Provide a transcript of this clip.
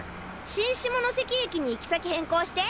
新下関駅に行き先変更して！